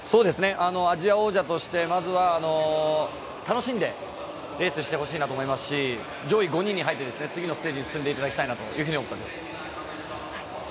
アジア王者として、まずは楽しんでレースしてほしいなと思いますし上位５人に入って、次のステージに進んでほしいなと思います。